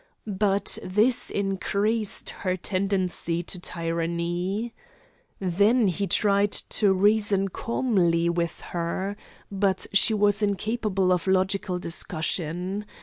But this increased her tendency to tyranny. Then he tried to reason calmly with her; but she was incapable of logical discussion.